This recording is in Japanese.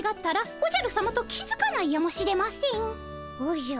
おじゃ。